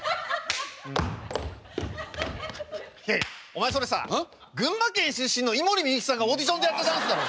お前それさ群馬県出身の井森美幸さんがオーディションでやったダンスだろ。